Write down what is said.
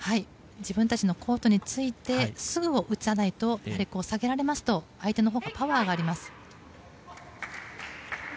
自分たちのコートについてすぐ打たないと下げられますと相手のほうがパワーがあります。